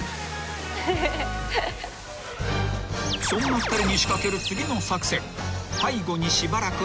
［そんな２人に仕掛ける次の作戦］